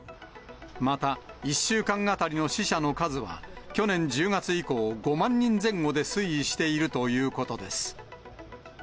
また、１週間当たりの死者の数は、去年１０月以降、５万人前後で推移しているということです。